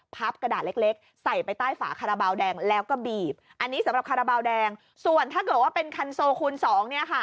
กระดาษเล็กเล็กใส่ไปใต้ฝาคาราบาลแดงแล้วก็บีบอันนี้สำหรับคาราบาลแดงส่วนถ้าเกิดว่าเป็นคันโซคูณสองเนี่ยค่ะ